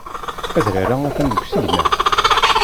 Adrar-a atan deg usigna.